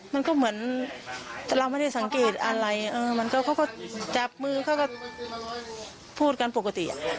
มันก็เหมือนเราไม่ได้สังเกตอะไรมันก็จับมือเขาก็พูดกันปกติ